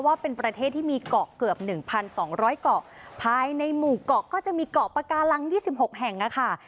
ว่าเป็นประเทศที่มีเกาะเกือบหนึ่งพันสองร้อยเกาะภายในหมู่เกาะก็จะมีเกาะปากาลังยี่สิบหกแห่งน่ะค่ะ